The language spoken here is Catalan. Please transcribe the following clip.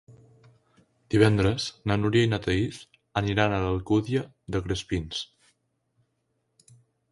Divendres na Núria i na Thaís aniran a l'Alcúdia de Crespins.